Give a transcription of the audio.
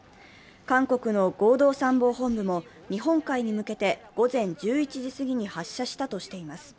韓国の合同参謀本部も日本海に向けて午前１１時すぎに発射したとしています。